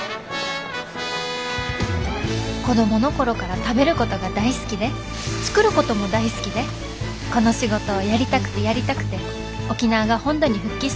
子供の頃から食べることが大好きで作ることも大好きでこの仕事をやりたくてやりたくて沖縄が本土に復帰した年に上京してきました